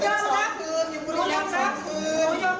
ให้ม่ายลูกศัพท์ให้อีกซัก